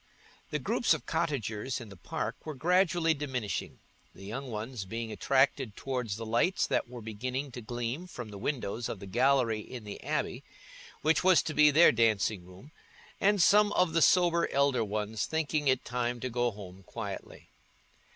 The groups of cottagers in the park were gradually diminishing, the young ones being attracted towards the lights that were beginning to gleam from the windows of the gallery in the abbey, which was to be their dancing room, and some of the sober elder ones thinking it time to go home quietly.